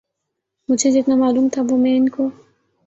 مجھے جتنا معلوم تھا وہ میں نے ان کو